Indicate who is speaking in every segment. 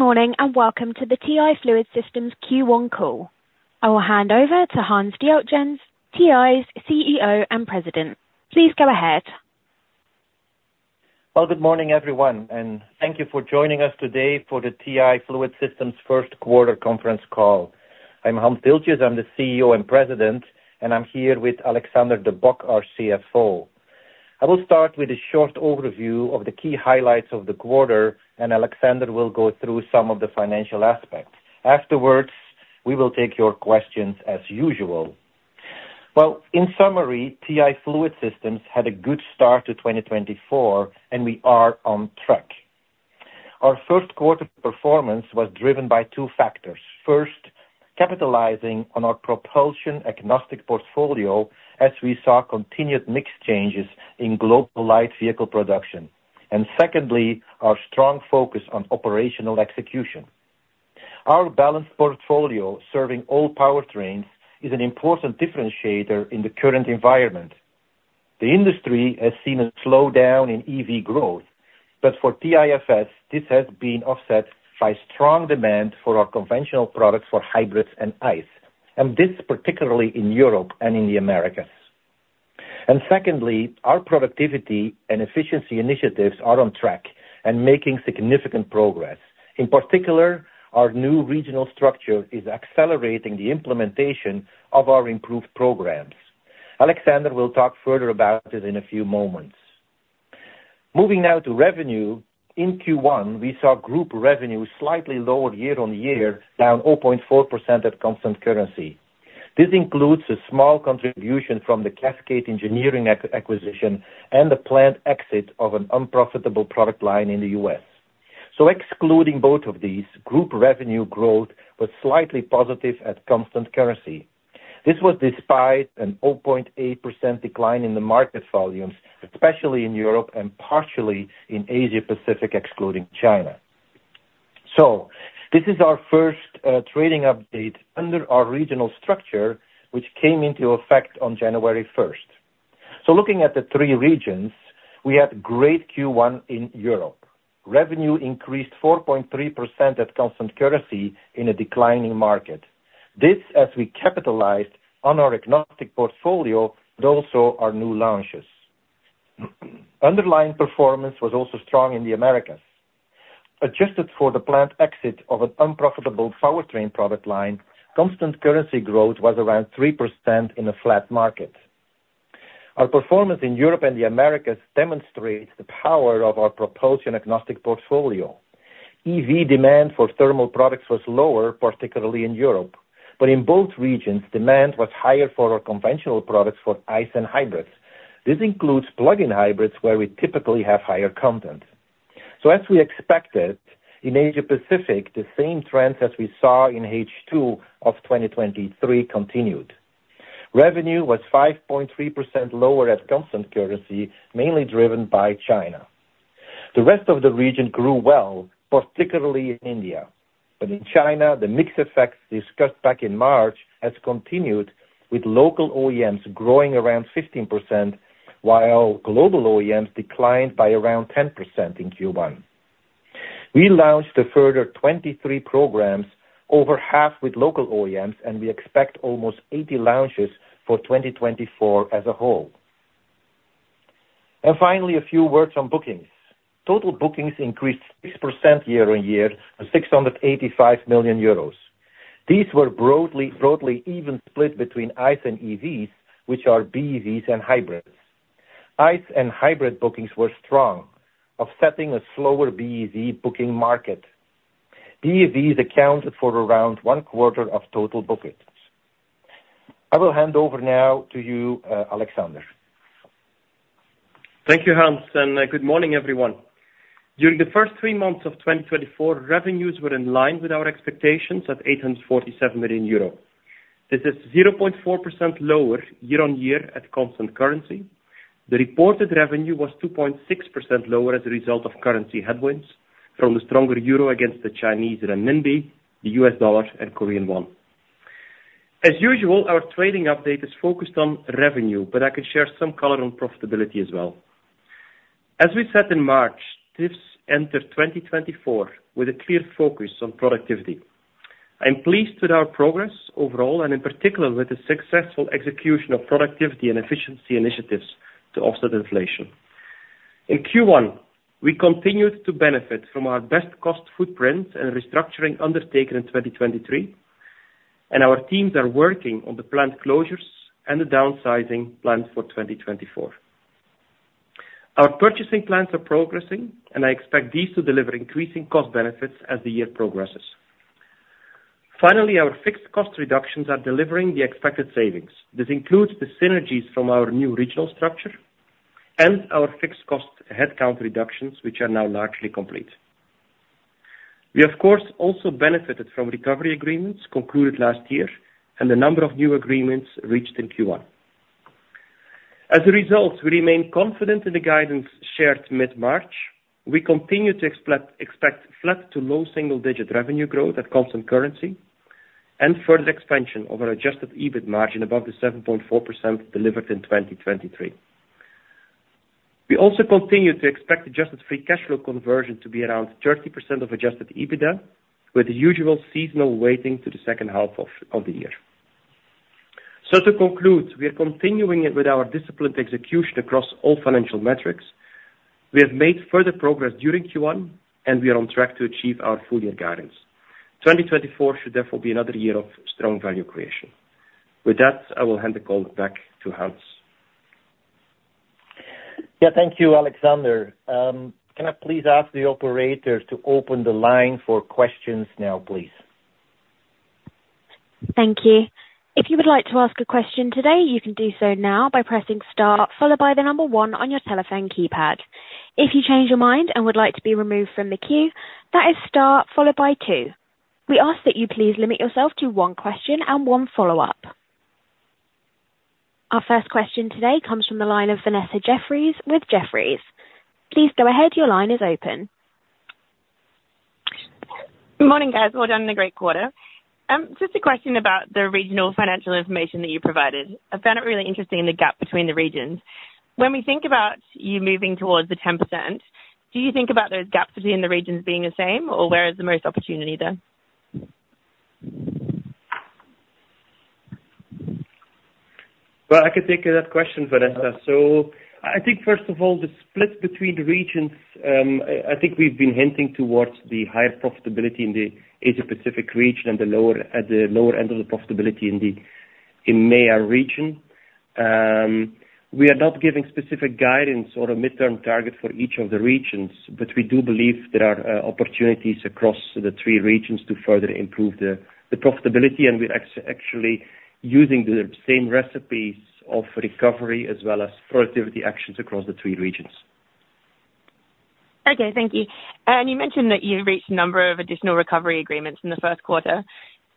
Speaker 1: Good morning, and welcome to the TI Fluid Systems Q1 call. I will hand over to Hans Dieltjens, TI's CEO and President. Please go ahead.
Speaker 2: Well, good morning, everyone, and thank you for joining us today for the TI Fluid Systems first quarter conference call. I'm Hans Dieltjens. I'm the CEO and President, and I'm here with Alexander De Bock, our CFO. I will start with a short overview of the key highlights of the quarter, and Alexander will go through some of the financial aspects. Afterwards, we will take your questions as usual. Well, in summary, TI Fluid Systems had a good start to 2024, and we are on track. Our first quarter performance was driven by two factors. First, capitalizing on our propulsion agnostic portfolio as we saw continued mixed changes in global light vehicle production, and secondly, our strong focus on operational execution. Our balanced portfolio, serving all powertrains, is an important differentiator in the current environment. The industry has seen a slowdown in EV growth, but for TIFS, this has been offset by strong demand for our conventional products for hybrids and ICE, and this particularly in Europe and in the Americas. Secondly, our productivity and efficiency initiatives are on track and making significant progress. In particular, our new regional structure is accelerating the implementation of our improved programs. Alexander will talk further about this in a few moments. Moving now to revenue. In Q1, we saw group revenue slightly lower year-on-year, down 0.4% at constant currency. This includes a small contribution from the Cascade Engineering acquisition and the planned exit of an unprofitable product line in the U.S. Excluding both of these, group revenue growth was slightly positive at constant currency. This was despite a 0.8% decline in the market volumes, especially in Europe and partially in Asia Pacific, excluding China. So this is our first trading update under our regional structure, which came into effect on January 1st. So looking at the three regions, we had great Q1 in Europe. Revenue increased 4.3% at constant currency in a declining market. This as we capitalized on our agnostic portfolio, but also our new launches. Underlying performance was also strong in the Americas. Adjusted for the planned exit of an unprofitable powertrain product line, constant currency growth was around 3% in a flat market. Our performance in Europe and the Americas demonstrates the power of our propulsion agnostic portfolio. EV demand for thermal products was lower, particularly in Europe, but in both regions, demand was higher for our conventional products for ICE and hybrids. This includes plug-in hybrids, where we typically have higher content. So as we expected, in Asia Pacific, the same trends as we saw in H2 of 2023 continued. Revenue was 5.3% lower at constant currency, mainly driven by China. The rest of the region grew well, particularly in India. But in China, the mix effects discussed back in March has continued, with local OEMs growing around 15%, while global OEMs declined by around 10% in Q1. We launched a further 23 programs, over half with local OEMs, and we expect almost 80 launches for 2024 as a whole. And finally, a few words on bookings. Total bookings increased 6% year-on-year to 685 million euros. These were broadly, broadly even split between ICE and EVs, which are BEVs and hybrids. ICE and hybrid bookings were strong, offsetting a slower BEV booking market. BEVs accounted for around one quarter of total bookings. I will hand over now to you, Alexander.
Speaker 3: Thank you, Hans, and good morning, everyone. During the first three months of 2024, revenues were in line with our expectations at 847 million euro. This is 0.4% lower year-on-year at constant currency. The reported revenue was 2.6% lower as a result of currency headwinds from the stronger euro against the Chinese renminbi, the U.S. dollar, and Korean won. As usual, our trading update is focused on revenue, but I can share some color on profitability as well. As we said in March, TIFS entered 2024 with a clear focus on productivity. I'm pleased with our progress overall, and in particular, with the successful execution of productivity and efficiency initiatives to offset inflation. In Q1, we continued to benefit from our best cost footprint and restructuring undertaken in 2023, and our teams are working on the plant closures and the downsizing plans for 2024. Our purchasing plans are progressing, and I expect these to deliver increasing cost benefits as the year progresses. Finally, our fixed cost reductions are delivering the expected savings. This includes the synergies from our new regional structure and our fixed cost headcount reductions, which are now largely complete. We, of course, also benefited from recovery agreements concluded last year and a number of new agreements reached in Q1. As a result, we remain confident in the guidance shared mid-March. We continue to expect flat to low-single digit revenue growth at constant currency and further expansion of our adjusted EBIT margin above the 7.4% delivered in 2023. We also continue to expect adjusted free cash flow conversion to be around 30% of adjusted EBITA, with the usual seasonal weighting to the second half of the year. So to conclude, we are continuing with our disciplined execution across all financial metrics. We have made further progress during Q1, and we are on track to achieve our full year guidance. 2024 should therefore be another year of strong value creation. With that, I will hand the call back to Hans.
Speaker 2: Yeah. Thank you, Alexander. Can I please ask the operators to open the line for questions now, please?
Speaker 1: Thank you. If you would like to ask a question today, you can do so now by pressing star, followed by the number one on your telephone keypad. If you change your mind and would like to be removed from the queue, that is star followed by two. We ask that you please limit yourself to one question and one follow-up. Our first question today comes from the line of Vanessa Jeffriess with Jefferies. Please go ahead. Your line is open.
Speaker 4: Good morning, guys. Well done on a great quarter. Just a question about the regional financial information that you provided. I found it really interesting, the gap between the regions. When we think about you moving towards the 10%, do you think about those gaps between the regions being the same, or where is the most opportunity there?
Speaker 3: Well, I can take that question, Vanessa. So I think first of all, the split between the regions, I think we've been hinting towards the higher profitability in the Asia Pacific region and the lower end of the profitability in the Americas region. We are not giving specific guidance or a midterm target for each of the regions, but we do believe there are opportunities across the three regions to further improve the profitability, and we're actually using the same recipes of recovery as well as productivity actions across the three regions.
Speaker 4: Okay, thank you. You mentioned that you've reached a number of additional recovery agreements in the first quarter.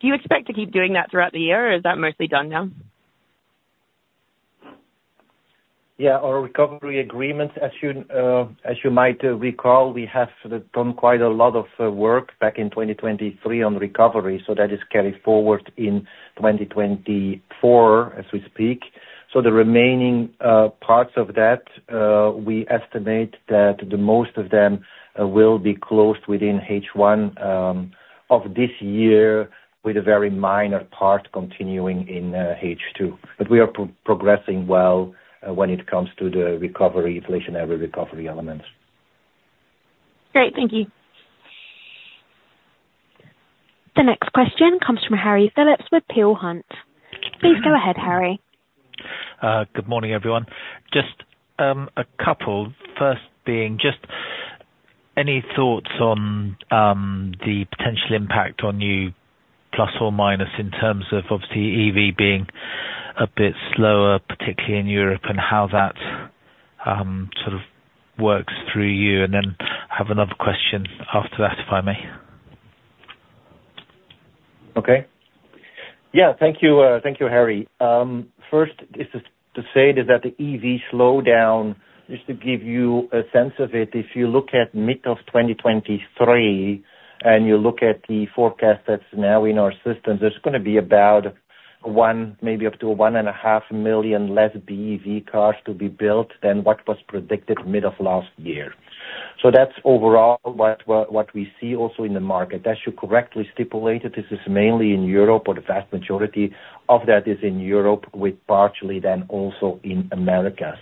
Speaker 4: Do you expect to keep doing that throughout the year, or is that mostly done now?
Speaker 2: Yeah. Our recovery agreements, as you, as you might recall, we have done quite a lot of, work back in 2023 on recovery, so that is carried forward in 2024 as we speak. So the remaining, parts of that, we estimate that the most of them, will be closed within H1, of this year, with a very minor part continuing in, H2. But we are progressing well, when it comes to the recovery, inflationary recovery elements.
Speaker 4: Great. Thank you.
Speaker 1: The next question comes from Harry Philips with Peel Hunt. Please go ahead, Harry.
Speaker 5: Good morning, everyone. Just, a couple, first being, just any thoughts on the potential impact on you, plus or minus, in terms of obviously EV being a bit slower, particularly in Europe, and how that sort of works through you? And then I have another question after that, if I may.
Speaker 2: Okay. Yeah, thank you, thank you, Harry. First is to say that the EV slowdown, just to give you a sense of it, if you look at mid-2023, and you look at the forecast that's now in our system, there's gonna be about 1 million, maybe up to 1.5 million less BEV cars to be built than what was predicted mid of last year. So that's overall what we see also in the market. As you correctly stipulated, this is mainly in Europe, or the vast majority of that is in Europe, with partially then also in Americas.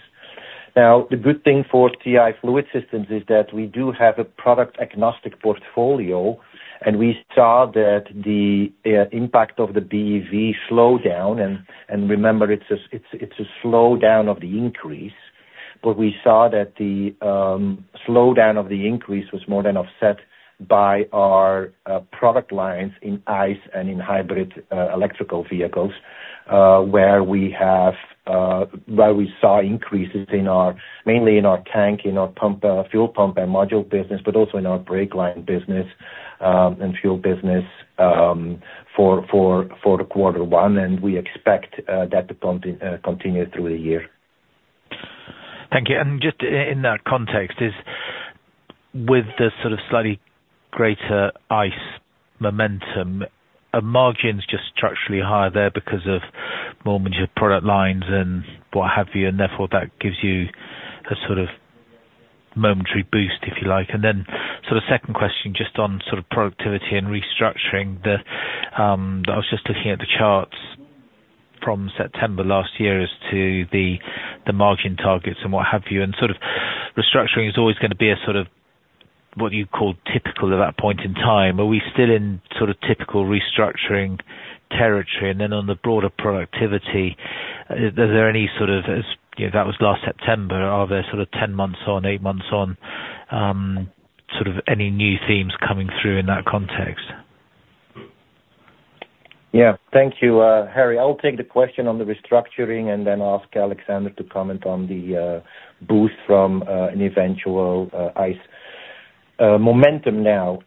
Speaker 2: Now, the good thing for TI Fluid Systems is that we do have a product-agnostic portfolio, and we saw that the impact of the BEV slowdown, and remember, it's a slowdown of the increase, but we saw that the slowdown of the increase was more than offset by our product lines in ICE and in hybrid electrical vehicles, where we saw increases in our mainly in our tank, in our pump, fuel pump and module business, but also in our brake line business, and fuel business, for the quarter one. And we expect that to continue through the year.
Speaker 5: Thank you. And just in that context, is with the sort of slightly greater ICE momentum, are margins just structurally higher there because of more mature product lines and what have you, and therefore that gives you a sort of momentary boost, if you like? And then, so the second question, just on sort of productivity and restructuring, I was just looking at the charts from September last year as to the margin targets and what have you, and sort of restructuring is always gonna be a sort of what you call typical at that point in time. Are we still in sort of typical restructuring territory? And then on the broader productivity, are there any sort of? You know, that was last September. Are there sort of 10 months on, eight months on, sort of any new themes coming through in that context?
Speaker 2: Yeah. Thank you, Harry. I will take the question on the restructuring and then ask Alexander to comment on the boost from an eventual ICE momentum now.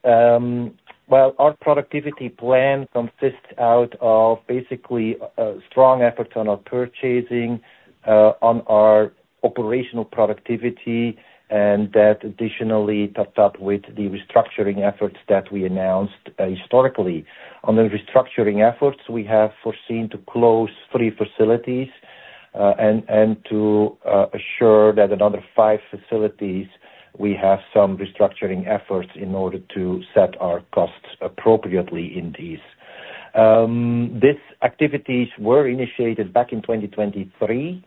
Speaker 2: Well, our productivity plan consists out of basically strong efforts on our purchasing, on our operational productivity and that additionally topped up with the restructuring efforts that we announced historically. On the restructuring efforts, we have foreseen to close three facilities, and to assure that another five facilities, we have some restructuring efforts in order to set our costs appropriately in these. These activities were initiated back in 2023,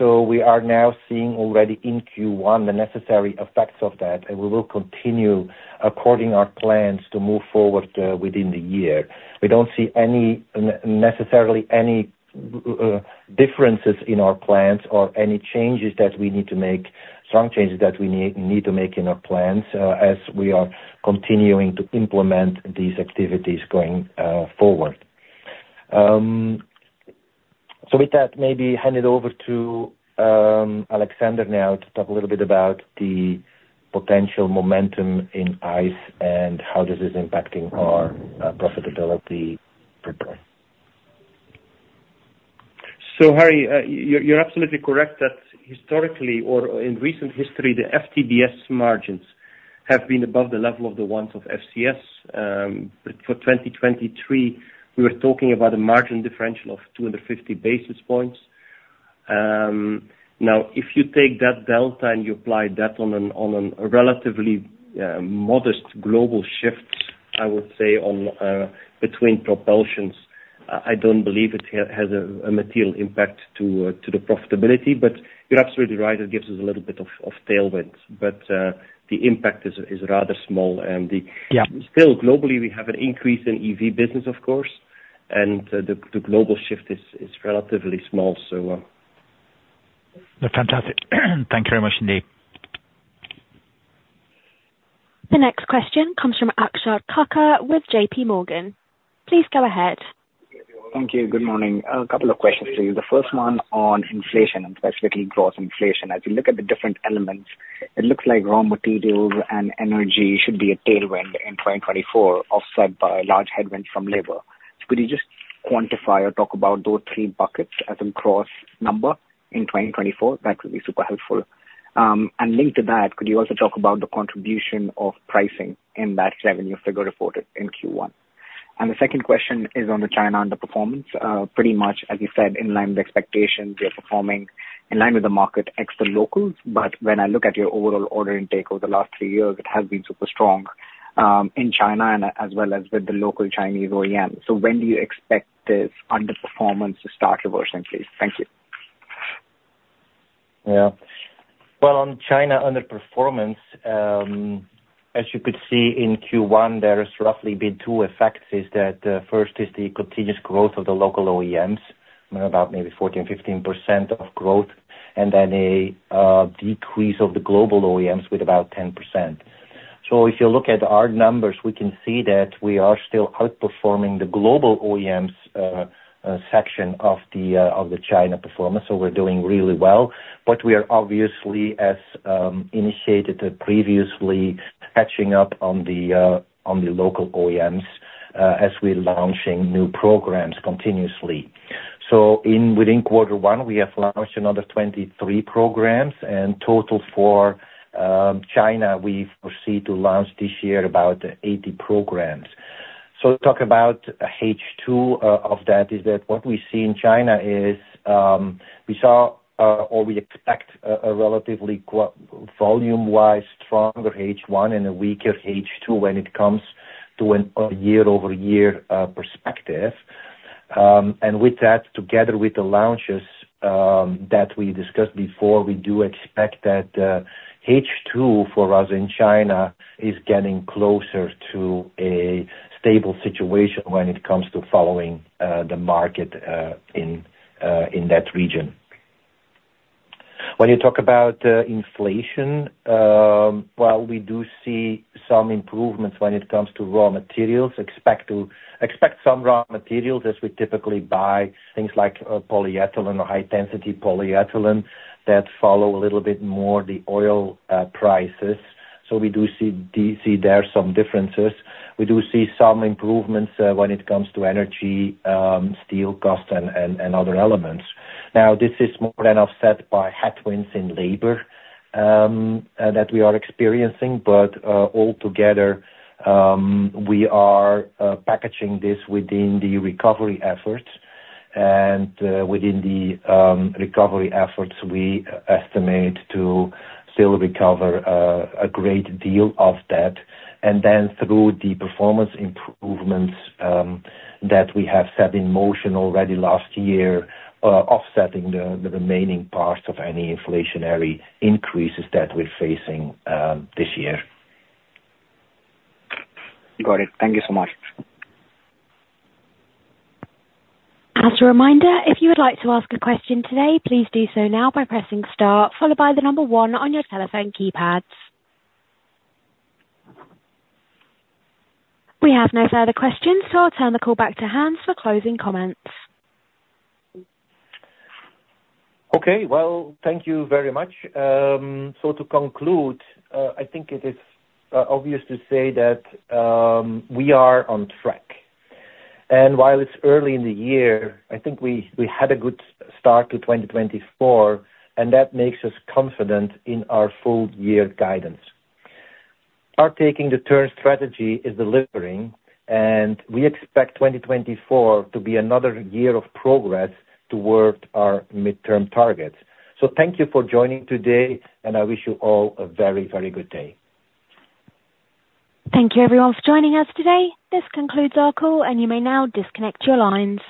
Speaker 2: so we are now seeing already in Q1 the necessary effects of that, and we will continue according our plans to move forward within the year. We don't see any, necessarily, any differences in our plans or any changes that we need to make, strong changes that we need to make in our plans, as we are continuing to implement these activities going forward. So with that, maybe hand it over to Alexander now to talk a little bit about the potential momentum in ICE and how this is impacting our profitability profile.
Speaker 3: So, Harry, you're absolutely correct that historically or in recent history, the FTDS margins have been above the level of the ones of FCS. But for 2023, we were talking about a margin differential of 250 basis points. Now, if you take that delta and you apply that on a relatively modest global shift, I would say on between propulsions, I don't believe it has a material impact to the profitability, but you're absolutely right, it gives us a little bit of tailwind. But the impact is rather small. And the-
Speaker 5: Yeah.
Speaker 3: Still, globally, we have an increase in EV business, of course, and the global shift is relatively small, so.
Speaker 5: Fantastic. Thank you very much indeed.
Speaker 1: The next question comes from Akshat Kacker with JPMorgan. Please go ahead.
Speaker 6: Thank you. Good morning. A couple of questions to you. The first one on inflation, and specifically gross inflation. As you look at the different elements, it looks like raw materials and energy should be a tailwind in 2024, offset by a large headwind from labor. So could you just quantify or talk about those three buckets as a cross number in 2024? That would be super helpful. And linked to that, could you also talk about the contribution of pricing in that revenue figure reported in Q1? And the second question is on the China underperformance. Pretty much, as you said, in line with expectations, you're performing in line with the market ex the locals. When I look at your overall order intake over the last three years, it has been super strong in China and as well as with the local Chinese OEM. When do you expect this underperformance to start reversing, please? Thank you.
Speaker 2: Yeah. Well, on China underperformance, as you could see in Q1, there has roughly been two effects, is that, first is the continuous growth of the local OEMs, about maybe 14%, 15% of growth, and then a decrease of the global OEMs with about 10%. So if you look at our numbers, we can see that we are still outperforming the global OEMs section of the China performance. So we're doing really well, but we are obviously, as initiated previously, catching up on the local OEMs, as we're launching new programs continuously. So in within quarter one, we have launched another 23 programs, and total for China, we foresee to launch this year about 80 programs. So, talk about H2, what we see in China is we expect a relatively volume-wise stronger H1 and a weaker H2 when it comes to a year-over-year perspective. And with that, together with the launches that we discussed before, we do expect that H2 for us in China is getting closer to a stable situation when it comes to following the market in that region. When you talk about inflation, well, we do see some improvements when it comes to raw materials we expect some raw materials, as we typically buy things like polyethylene or high-density polyethylene that follow a little bit more the oil prices. So we do see there some differences. We do see some improvements when it comes to energy, steel costs and other elements. Now, this is more than offset by headwinds in labor that we are experiencing, but altogether, we are packaging this within the recovery efforts. Within the recovery efforts, we estimate to still recover a great deal of that, and then through the performance improvements that we have set in motion already last year, offsetting the remaining parts of any inflationary increases that we're facing this year.
Speaker 6: Got it. Thank you so much.
Speaker 1: As a reminder, if you would like to ask a question today, please do so now by pressing star, followed by the number one on your telephone keypads. We have no further questions, so I'll turn the call back to Hans for closing comments.
Speaker 2: Okay, well, thank you very much. So to conclude, I think it is obvious to say that we are on track. And while it's early in the year, I think we had a good start to 2024, and that makes us confident in our full year guidance. Our Taking the Turn strategy is delivering, and we expect 2024 to be another year of progress towards our midterm targets. So thank you for joining today, and I wish you all a very, very good day.
Speaker 1: Thank you, everyone, for joining us today. This concludes our call, and you may now disconnect your lines.